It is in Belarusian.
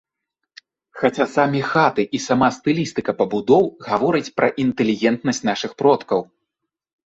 Хаця самі хаты і сама стылістыка пабудоў гаворыць пра інтэлігентнасць нашых продкаў.